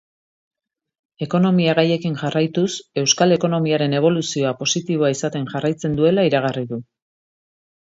Ekonomia gaiekin jarraituz, euskal ekonomiaren eboluzioa positiboa izaten jarraitzen duela iragarri du.